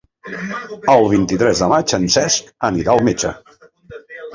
El vint-i-tres de maig en Cesc anirà al metge.